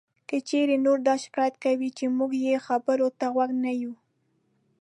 که چېرې نور دا شکایت کوي چې مونږ یې خبرو ته غوږ نه یو